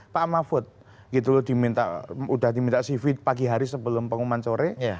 pak mahfud gitu loh udah diminta cv pagi hari sebelum pengumuman sore